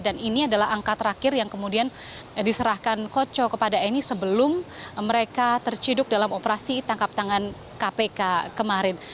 ini adalah angka terakhir yang kemudian diserahkan koco kepada eni sebelum mereka terciduk dalam operasi tangkap tangan kpk kemarin